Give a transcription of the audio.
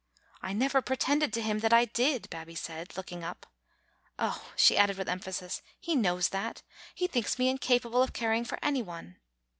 "I never pretended to him that I did," Babbie said, looking up. "Oh," she added, with emphasis, "he knows that. He thinks me incapable of caring for any one."